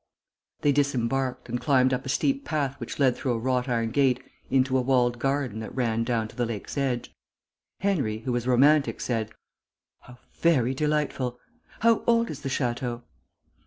They disembarked, and climbed up a steep path which led through a wrought iron gate into a walled garden that ran down to the lake's edge. Henry, who was romantic, said, "How very delightful. How old is the Château?"